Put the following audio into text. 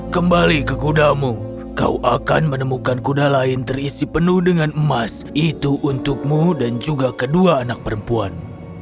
kembali ke kudamu kau akan menemukan kuda lain terisi penuh dengan emas itu untukmu dan juga kedua anak perempuan